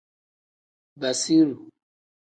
Basiru.